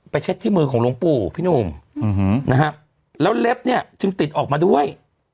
เช็ดที่มือของหลวงปู่พี่หนุ่มนะฮะแล้วเล็บเนี่ยจึงติดออกมาด้วย